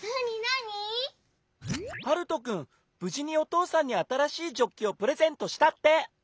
ぶじにおとうさんにあたらしいジョッキをプレゼントしたって。